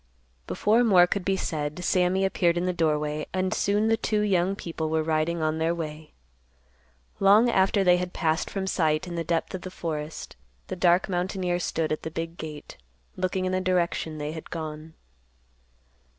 Before more could be said, Sammy appeared in the doorway, and soon the two young people were riding on their way. Long after they had passed from sight in the depth of the forest, the dark mountaineer stood at the big gate, looking in the direction they had gone.